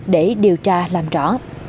để điều tra làm rõ